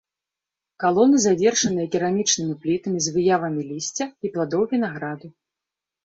Калоны завершаныя керамічнымі плітамі з выявамі лісця і пладоў вінаграду.